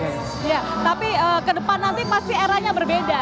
iya tapi ke depan nanti pasti eranya berbeda